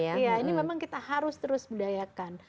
iya ini memang kita harus terus budayakan